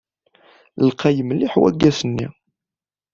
Lqay mliḥ waggas-nni?